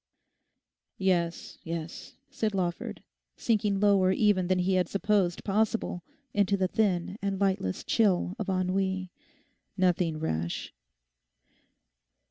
'Yes, yes,' said Lawford, sinking lower even than he had supposed possible into the thin and lightless chill of ennui—'nothing rash.